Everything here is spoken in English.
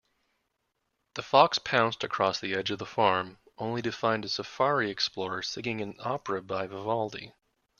The fox pounced across the edge of the farm, only to find a safari explorer singing an opera by Vivaldi.